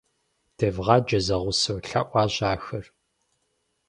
- Девгъаджэ зэгъусэу, – лъэӀуащ ахэр.